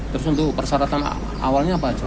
terus untuk persyaratan awalnya apa aja